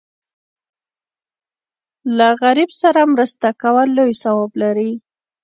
له غریب سره مرسته کول لوی ثواب لري.